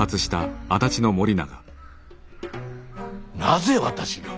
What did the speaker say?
なぜ私が。